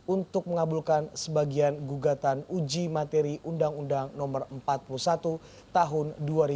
untuk mengabulkan sebagian gugatan uji materi undang undang no empat puluh satu tahun dua ribu dua puluh